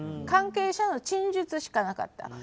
関係者の陳述しかなかった。